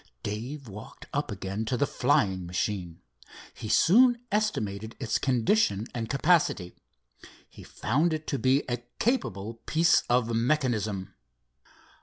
Dave walked up again to the flying machine. He soon estimated its condition and capacity. He found it to be a capable piece of mechanism.